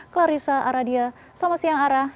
clarissa aradia selamat siang ara